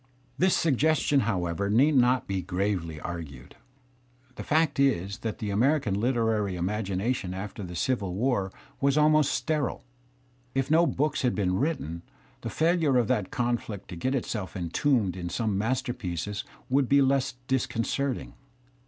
This suggestion, however, need not be gravely argued. The \ fact is that the American literary imagination after the Civil \> ^ar was almost sterile. If no books had been written, the ^ilure of that conflict to get itself embodied In some master pieces would be les^ disconcerting.